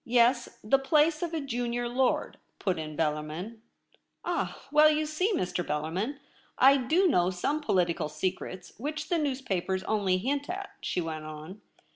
'Yes; the place of a Junior Lord,' put in Bellarmin. ' Ah well ! you see, Mr. Bellarmin, I do know some political secrets which the news papers only hint at,' she went on.